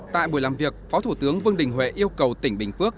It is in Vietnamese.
tại buổi làm việc phó thủ tướng vương đình huệ yêu cầu tỉnh bình phước